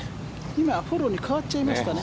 今、フォローに変わっちゃいましたね。